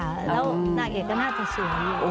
แล้วนางเอกก็น่าจะสวย